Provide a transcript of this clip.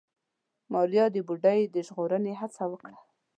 ماريا د بوډۍ د ژغورنې هڅه وکړه.